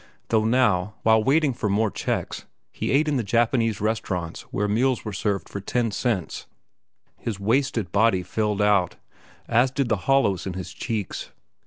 Though now, while waiting for more checks, he ate in the Japanese restaurants where meals were served for ten cents, his wasted body filled out, as did the hollows in his cheeks.